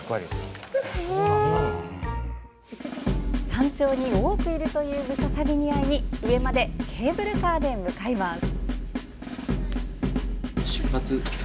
山頂に多くいるというムササビに会いに上までケーブルカーで向かいます！